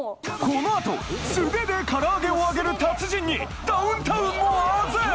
このあと素手で唐揚げを揚げる達人にダウンタウンもあ然！